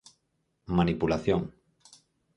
Manipulación.